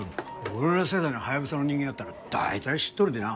俺ら世代のハヤブサの人間やったら大体知っとるでな。